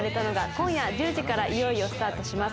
今夜１０時からいよいよスタートします